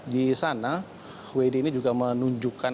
di sana wd ini juga menunjukkan